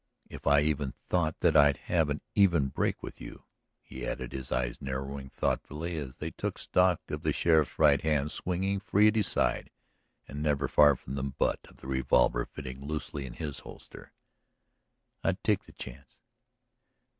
If I even thought that I'd have an even break with you," he added, his eyes narrowing thoughtfully as they took stock of the sheriff's right hand swinging free at his side and never far from the butt of the revolver fitting loosely in his holster, "I'd take the chance.